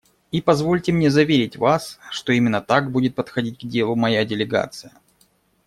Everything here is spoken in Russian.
И позвольте мне заверить вас, что именно так будет подходить к делу моя делегация.